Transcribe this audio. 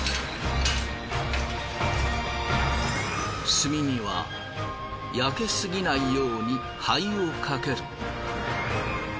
炭には焼けすぎないように灰をかける。